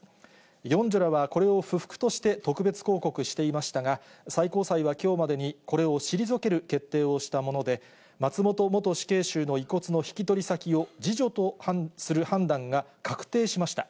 四女らはこれを不服として、特別抗告していましたが、最高裁はきょうまでにこれを退ける決定をしたもので、松本元死刑囚の遺骨の引き取り先を次女とする判断が確定しました。